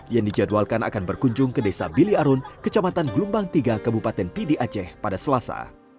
yang dijadwalkan akan berkunjung ke desa biliarun kecamatan gelombang tiga kabupaten pidi aceh pada selasa